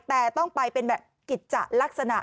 แต่ต้องไปเป็นแบบกิจจะลักษณะ